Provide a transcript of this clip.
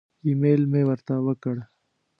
ایمیل مې ورته وکړ.